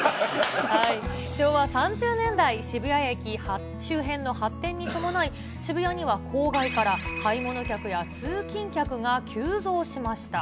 昭和３０年代、渋谷駅周辺の発展に伴い、渋谷には郊外から買い物客や通勤客が急増しました。